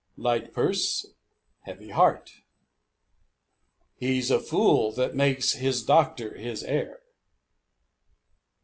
Light purse, heavy heart. He's a fool that makes his doctor his heir.